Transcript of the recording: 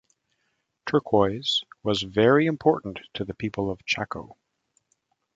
Turquoise was very important to the people of Chaco.